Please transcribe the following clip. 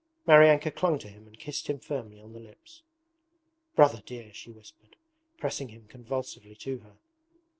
Maryanka clung to him and kissed him firmly on the lips. 'Brother dear!' she whispered, pressing him convulsively to her.